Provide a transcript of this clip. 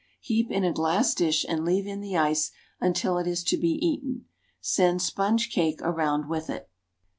Heap in a glass dish and leave in the ice until it is to be eaten. Send sponge cake around with it.